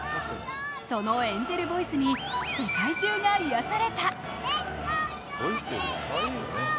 そのエンジェルボイスに世界中が癒やされた。